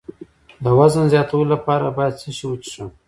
د وزن زیاتولو لپاره باید څه شی وڅښم؟